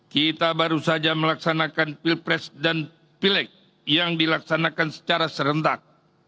kita baru saja melaksanakan pilpres dan pileg yang dilaksanakan secara serentak